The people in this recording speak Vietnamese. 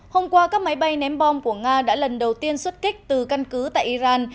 hôm qua các máy bay ném bom của nga đã lần đầu tiên xuất kích từ căn cứ tại iran